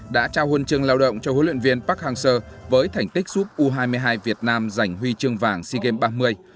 đã trao huân chương lao động cho huấn luyện viên park hang seo với thành tích giúp u hai mươi hai việt nam giành huy chương vàng sea games ba mươi